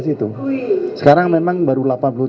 situ sekarang memang baru